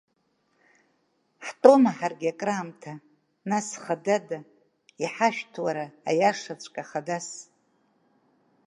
Ҳтәома ҳаргьы акраамҭа, нас, хадада, иҳашәҭ, уара, Аиашаҵәҟьа хадас.